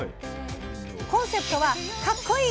コンセプトは「カッコいい！